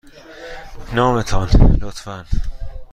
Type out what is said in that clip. نام تان، لطفاً.